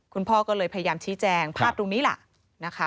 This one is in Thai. คุณพ่อก็เลยพยายามชี้แจงภาพตรงนี้ล่ะนะคะ